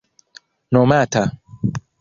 nomata